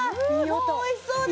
もうおいしそうだ！